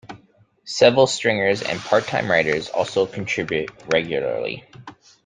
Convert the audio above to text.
Several stringers and part-time writers also contribute regularly.